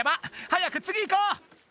早くつぎ行こう！